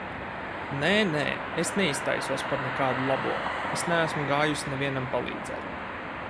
Nē, nē es neiztaisos par nekādu labo. Es neesmu gājusi nevienam palīdzēt.